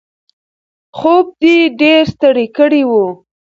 خوب دی ډېر ستړی کړی و.